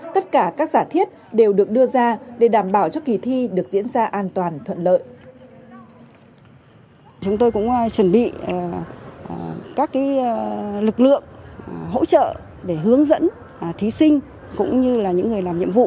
tất cả các giả thiết đều được đưa ra để đảm bảo cho kỳ thi được diễn ra an toàn thuận lợi